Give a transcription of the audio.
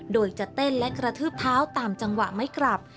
โดยจะเต้นและกระทืบเท้าตามจังหวะไม่กลับ